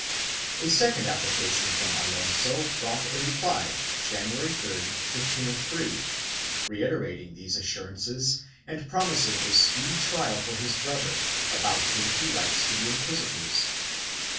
A second application from Alonso brought a reply, January 3, 1503, reiterating these assurances and promis ing a speedy trial for his brother, about whom he writes to the inquisitors.